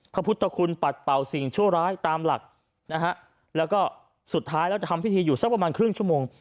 พระพุทธคุณปัดเป่าสิ่งชั่วร้ายตามหลักนะฮะแล้วก็สุดท้ายแล้วจะทำพิธีอยู่สักประมาณครึ่งชั่วโมง